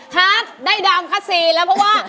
ฮาร์ดได้ดามคัสซีแล้วเพราะว่า